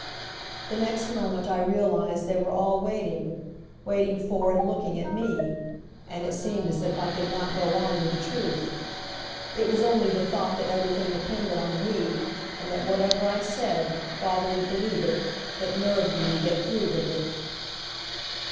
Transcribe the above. The next moment I realized they were all waiting, waiting for and looking at me; and it seemed as if I could not go on with the truth. It was only the thought that everything depended on me, and that, whatever I said, father would believe it, that nerved me to get through with it.